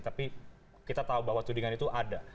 tapi kita tahu bahwa tudingan itu ada